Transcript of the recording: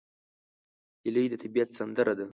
هیلۍ د طبیعت سندره ده